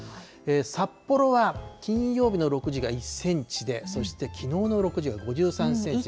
札幌は金曜日の６時が１センチで、そしてきのうの６時が５３センチ。